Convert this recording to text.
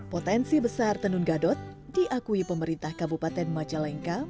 potensi besar tenun gadot diakui pemerintah kabupaten majalengka